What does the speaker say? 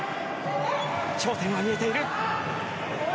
頂点は見えている。